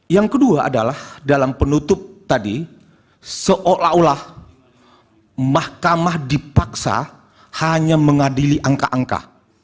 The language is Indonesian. yang kedua adalah dalam penutup tadi seolah olah mahkamah dipaksa hanya mengadili angka angka